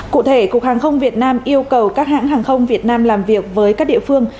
cụ thể cục hàng không việt nam yêu cầu các hãng hàng không việt nam làm việc với các địa phương